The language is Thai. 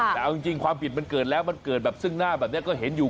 แต่เอาจริงความผิดมันเกิดแล้วมันเกิดแบบซึ่งหน้าแบบนี้ก็เห็นอยู่